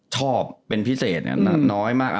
ชอบเป็นพิเศษน้อยมาก